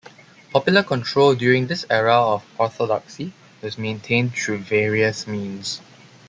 Popular control during this era of orthodoxy was maintained through various means.